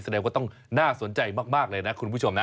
แสดงว่าต้องน่าสนใจมากเลยนะคุณผู้ชมนะ